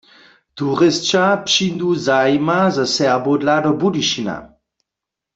Turisća přińdu zajima za Serbow dla do Budyšina.